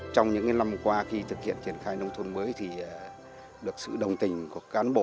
trong những năm qua khi thực hiện triển khai nông thôn mới thì được sự đồng tình của các nông thôn